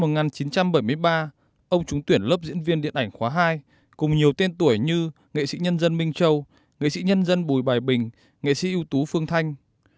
năm một nghìn chín trăm bảy mươi ba ông trúng tuyển lớp diễn viên điện ảnh khóa hai cùng nhiều tên tuổi như nghệ sĩ nhân dân minh châu nghệ sĩ nhân dân bùi bài bình nghệ sĩ ưu tú phương thanh